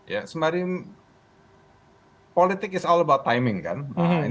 ya sebenarnya politik itu semua tentang waktu kan